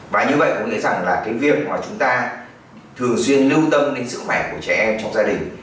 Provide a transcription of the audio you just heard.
và như vậy tôi nghĩ rằng là cái việc mà chúng ta thường xuyên lưu tâm đến sức khỏe của trẻ em trong gia đình